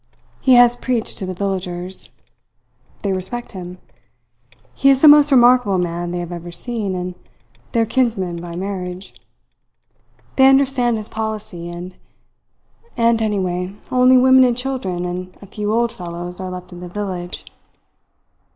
He has preached to the villagers. They respect him. He is the most remarkable man they have ever seen, and their kinsman by marriage. They understand his policy. And anyway only women and children and a few old fellows are left in the village.